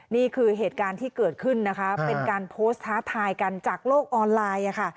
นี่คือเหตุการณ์ที่เกิดขึ้นนะคะเป็นการโพสต์ท้าทายกันจากโลกออนไลน์ค่ะ